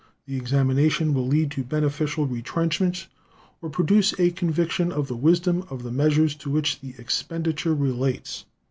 The examination will lead to beneficial retrenchments or produce a conviction of the wisdom of the measures to which the expenditure relates.